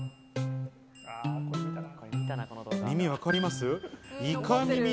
耳わかりますか？